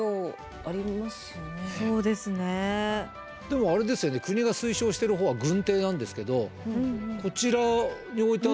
でもあれですよね国が推奨してるほうは軍手なんですけどこちらに置いてあるのが。